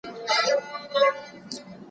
له څاڅکو څاڅکو څه درياب جوړېږي.